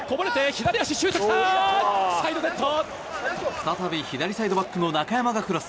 再び左サイドバックの中山がクロス。